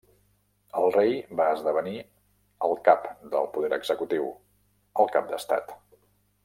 El rei va esdevenir el cap del poder executiu, el cap d'estat.